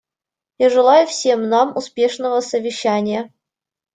Я желаю всем нам успешного совещания.